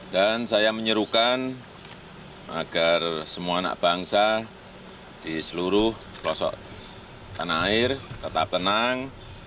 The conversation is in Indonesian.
dan saya menyerukan agar semua anak bangsa di seluruh pelosok tanah air tetap tenang